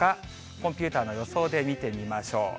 コンピューターの予想で見てみましょう。